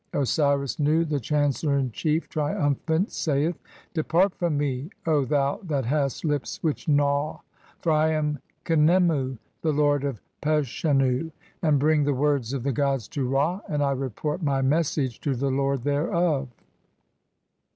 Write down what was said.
Osiris Nu, the chancellor in chief, triumphant, saith :— (2) "Depart from me, O thou that hast lips which gnaw, for I am "Khnemu, the lord of Peshennu, 1 and [I] bring the words of "the gods to Ra, and I report (3) [my] message to the lord "thereof."